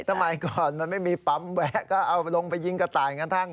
ทำไมก่อนมันไม่มีปั๊มแวะก็เอาลงไปยิงกระต่ายข้างทาง